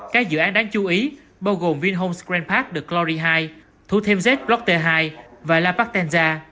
các dự án đáng chú ý bao gồm vinhomes grand park the glory hai thu thêm z block t hai và la patenza